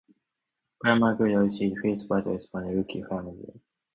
Pamela could not see his face, but the man looked familiar.